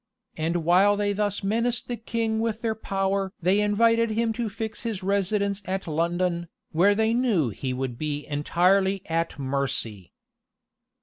And while they thus menaced the king with their power they invited him to fix his residence at London, where they knew he would be entirely at mercy.